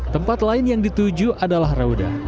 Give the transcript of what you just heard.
tempat lain yang dituju adalah raudah